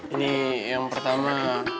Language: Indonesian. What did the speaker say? ini yang pertama